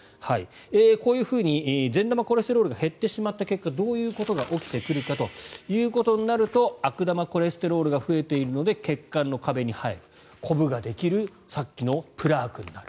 こういうふうに善玉コレステロールが減ってしまった結果どういうことが起きてくるかということになると悪玉コレステロールが増えているので血管の壁に入る、こぶができるさっきのプラークになる。